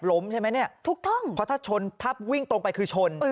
ใช่ไหมเนี่ยถูกต้องเพราะถ้าชนทับวิ่งตรงไปคือชน